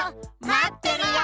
まってるよ！